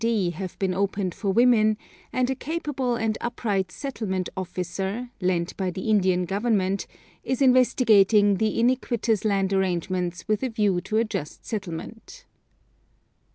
D. have been opened for women, and a capable and upright 'settlement officer,' lent by the Indian Government, is investigating the iniquitous land arrangements with a view to a just settlement.